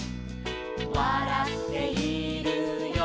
「わらっているよ」